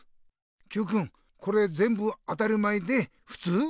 Ｑくんこれぜんぶ当たり前でふつう？